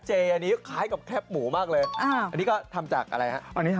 จะเรียกว่าแล้วแต่คนชื่น